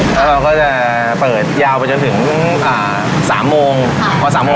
แล้วเราก็จะเปิดยาวไปจนถึงอ่าสามโมง